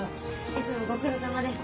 いつもご苦労さまです。